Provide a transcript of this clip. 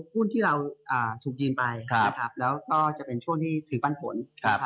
หุ้นที่เราถูกยืมไปแล้วก็จะเป็นช่วงที่ถือปันผล